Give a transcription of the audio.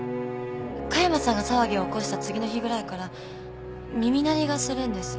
加山さんが騒ぎを起こした次の日ぐらいから耳鳴りがするんです。